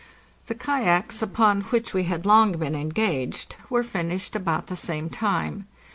The kayaks, upon which we had long been engaged, were finished about the same time.